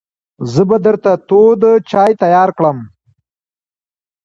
زه به درته تود چای تیار کړم.